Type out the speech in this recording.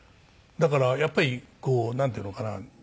だからやっぱりなんていうのかな？